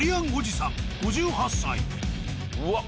うわっ！